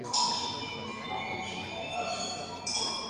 Sus naturales hábitats son las regiones húmedas subtropicales o tropicales.